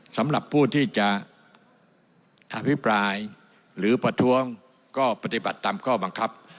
สำหรับผู้ที่จะอภิปรายหรือประท้วงก็ปฏิบัติตามข้อบังคับ